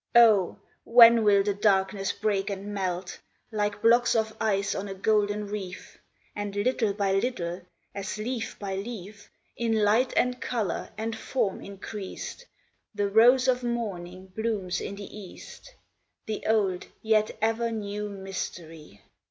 Oh, when will the darkness break and melt, Like blocks of ice on a golden reef, And little by little, as leaf by leaf, In light and color and form increased, The rose of morning blooms in the east, The old yet ever new mystery!